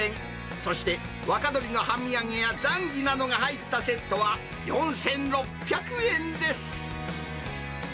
そして若鶏の半身揚げやざんぎなどが入ったセットは４６００円です。